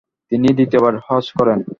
তিনি দ্বিতীয়বার হজ্জ করেন।